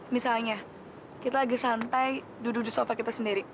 misalnya kita lagi santai duduk di sofa kita sendiri